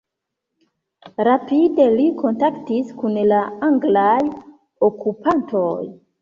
Rapide li kontaktis kun la anglaj okupantoj.